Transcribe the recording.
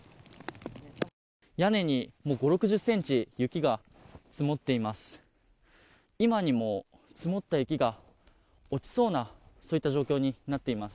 屋根に５０６０ｃｍ雪が積もっています。